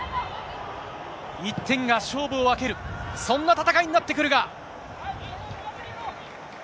１点が勝負を分ける、そんな戦いになってくるが。